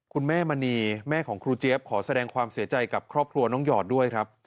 แม่มณีแม่ของครูเจี๊ยบขอแสดงความเสียใจกับครอบครัวน้องหยอดด้วยครับ